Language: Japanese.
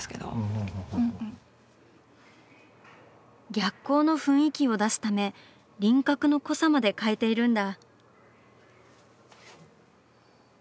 逆光の雰囲気を出すため輪郭の濃さまで変えているんだ。